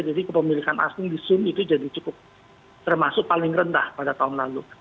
jadi kepemilikan asing di sun itu jadi cukup termasuk paling rendah pada tahun lalu